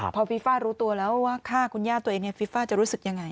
พอฟีฟ่ารู้ตัวแล้วว่าฆ่าคุณย่าตัวเองฟีฟ่าจะรู้สึกยังไง